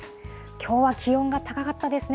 きょうは気温が高かったですね。